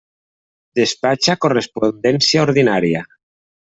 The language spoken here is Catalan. Despatxa correspondència ordinària.